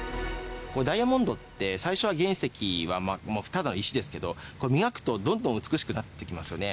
ダイヤモンドって最初は原石はもうただの石ですけど、磨くとどんどん美しくなっていきますよね。